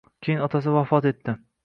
Keyin otasi vafot etdi.